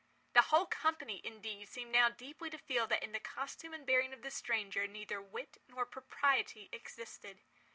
The whole company, indeed, seemed now deeply to feel that in the costume and bearing of the stranger neither wit nor propriety existed.